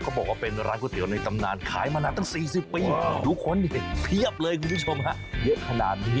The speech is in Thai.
บอกว่าเป็นร้านก๋วยเตี๋ยวในตำนานขายมานานตั้ง๔๐ปีทุกคนเห็นเพียบเลยคุณผู้ชมฮะเยอะขนาดนี้